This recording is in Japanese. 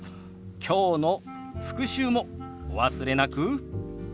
きょうの復習もお忘れなく。